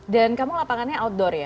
dan kamu lapangannya outdoor ya